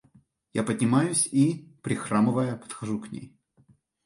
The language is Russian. Я поднимаюсь и, прихрамывая, подхожу к ней.